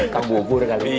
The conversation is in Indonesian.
kau bubur kali ya